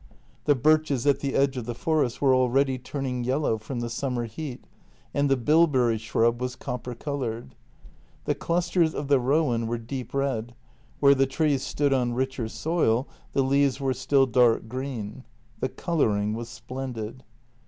The birches at the edge of the forest were already turn ing yellow from the summer heat, and the bilberry shrub was copper coloured. The clusters of the rowan were deep red; where the trees stood on richer soil the leaves were still dark green. The colouring was splendid.